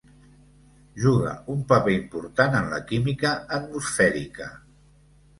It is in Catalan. Juga un paper important en la química atmosfèrica.